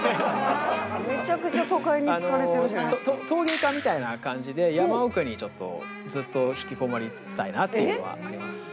陶芸家みたいな感じで山奥にちょっとずっと引きこもりたいなっていうのはあります。